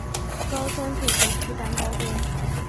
高中就读复旦高中。